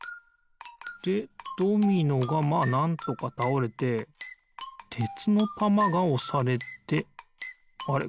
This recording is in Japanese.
でドミノがまあなんとかたおれててつのたまがおされてあれ？